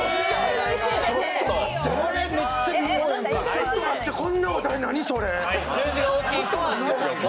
ちょっと待ってそんなお題、なにそれ！